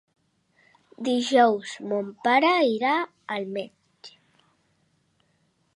Dijous mon pare irà al metge.